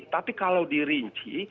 tapi kalau dirinci